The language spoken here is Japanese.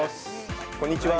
こんにちは。